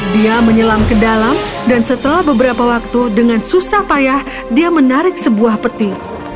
dia menyelam ke dalam dan setelah beberapa waktu dengan susah payah dia menarik sebuah peti